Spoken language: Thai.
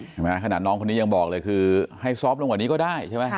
ขนาดน้องคนนี้ยังบอกเลยคือให้ซอฟต์ลงกว่านี้ก็ได้ใช่ไหม